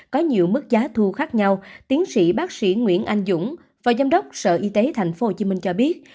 có nhiều mức giá thu khác nhau tiến sĩ bác sĩ nguyễn anh dũng phó giám đốc sở y tế tp hcm cho biết